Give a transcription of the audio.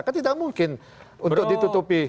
kan tidak mungkin untuk ditutupi